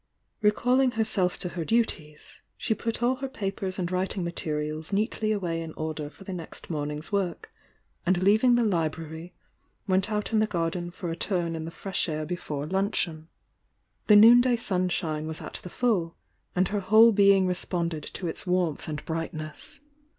Recalling herself to her duties, she put all her papers and writing materials neatly away in order for the next morning's work, and leaving the library, went out in the garden for a turn in the fresh air before luncheon. The noonday sunshine was at the full, and her whole being responded to its warmth and brightness.